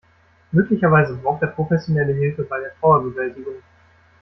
Möglicherweise braucht er professionelle Hilfe bei der Trauerbewältigung.